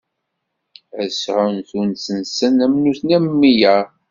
Ad sɛun tunet-nsen am nutni am wiyaḍ.